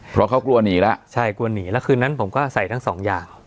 เพราะเขากลัวหนีแล้วใช่กลัวหนีแล้วคืนนั้นผมก็ใส่ทั้งสองอย่าง